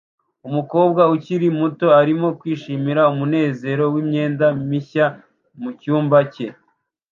Umukobwa ukiri muto arimo kwishimira umunezero wimyenda mishya mucyumba cye